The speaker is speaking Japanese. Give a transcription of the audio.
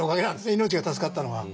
命が助かったのは。